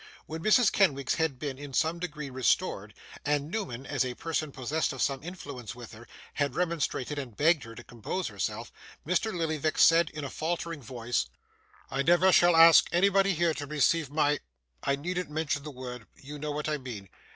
When Mrs. Kenwigs had been, in some degree, restored, and Newman, as a person possessed of some influence with her, had remonstrated and begged her to compose herself, Mr Lillyvick said in a faltering voice: 'I never shall ask anybody here to receive my I needn't mention the word; you know what I mean.